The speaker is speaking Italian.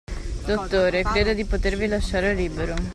Dottore, credo di potervi lasciare libero.